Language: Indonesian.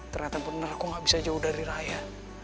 ternyata bener kok gak bisa jauh dari raya